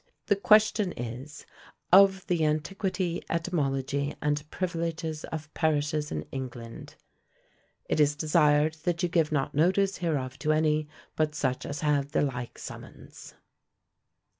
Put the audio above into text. "The question is, "Of the antiquitie, etimologie, and priviledges of parishes in Englande. "Yt ys desyred that you give not notice hereof to any, but such as haue the like somons."